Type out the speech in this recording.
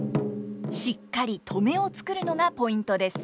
しっかり「止め」を作るのがポイントです。